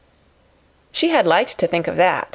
She had liked to think of that.